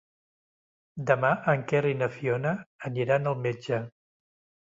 Demà en Quer i na Fiona aniran al metge.